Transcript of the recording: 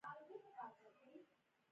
فرشته سپوږمۍ ټولو ته یوه ښه بېلګه ده.